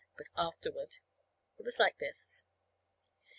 But afterward. It was like this.